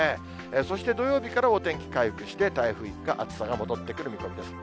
そして土曜日からお天気回復して、台風一過、暑さが戻ってくる見込みです。